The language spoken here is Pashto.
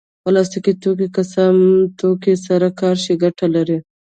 پلاستيکي توکي که سمه توګه سره کار شي ګټه لري.